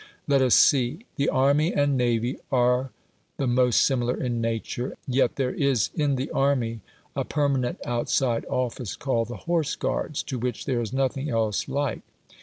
Let us see. The ARMY AND NAVY are the most similar in nature, yet there is in the army a permanent outside office, called the Horse Guards, to which there is nothing else like.